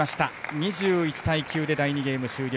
２１対９で第２ゲーム終了。